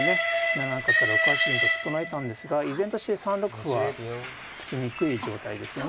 ７七角から６八銀と整えたんですが依然として３六歩は突きにくい状態ですよね。